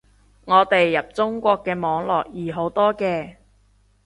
我哋入中國嘅網絡易好多嘅